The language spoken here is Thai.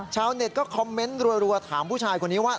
ชาวเน็ตก็คอมเมนต์รัวถามผู้ชายคนนี้ว่า